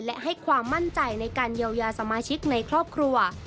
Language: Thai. และให้ความมั่นใจในการเยียวยาสมาชิกในครอบครัว